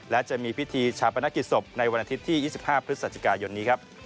และจะมีพิธีชาปนกิจศพในวันอาทิตย์ที่๒๕พฤศจิกายนนี้ครับ